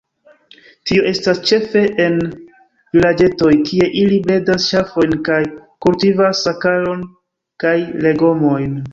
Tio estas ĉefe en vilaĝetoj, kie ili bredas ŝafojn kaj kultivas sekalon kaj legomojn.